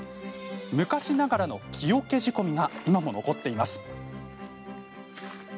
昔ながらの木桶仕込みが今も残っています。